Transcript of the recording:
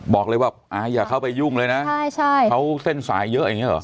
บอกเลยว่าอย่าเข้าไปยุ่งเลยนะเขาเส้นสายเยอะอย่างนี้เหรอ